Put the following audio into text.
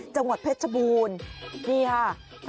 จังหวัดเพชรชบูรณ์นี่ค่ะ